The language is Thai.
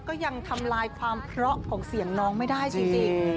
ก็ยังทำลายความเพราะของเสียงน้องไม่ได้จริง